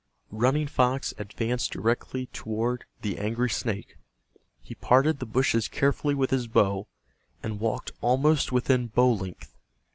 Running Fox advanced directly toward the angry snake. He parted the bushes carefully with his bow, and walked almost within bow length.